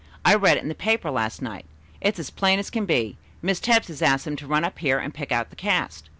I read it in the paper last night. It's as plain as can be. Miss Tebbs has asked him to run up here and pick out the cast."